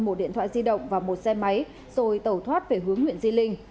một điện thoại di động và một xe máy rồi tẩu thoát về hướng huyện di linh